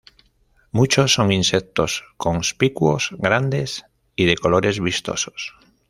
Muchos son insectos conspicuos, grandes y de colores vistosos.